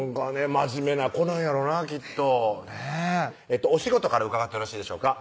真面目な子なんやろなきっとねぇお仕事から伺ってよろしいでしょうか？